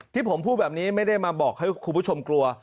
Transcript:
ที่ผมพูดแบบนี้ไม่ได้มาบอกให้คุณผู้ชมกลัว